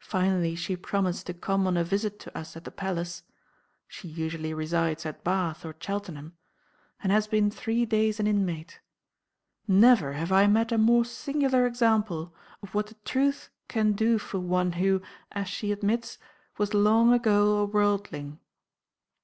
Finally she promised to come on a visit to us at the Palace (she usually resides at Bath or Cheltenham), and has been three days an inmate. Never have I met a more singular example of what the Truth can do for one who, as she admits, was long ago a worldling.